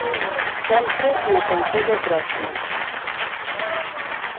Sempre no Concello propio.